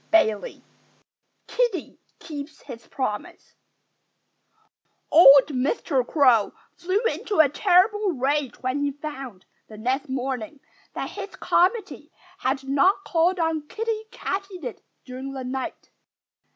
XIV KIDDIE KEEPS HIS PROMISE Old Mr. Crow flew into a terrible rage when he found, the next morning, that his committee had not called on Kiddie Katydid during the night.